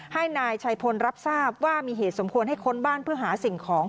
ให้นายชัยพลรับทราบว่ามีเหตุสมควรให้ค้นบ้านเพื่อหาสิ่งของ